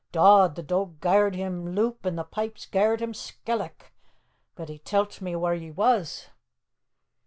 Dod! the doag gar'd him loup an' the pipes gar'd him skelloch. But he tell't me whaur ye was."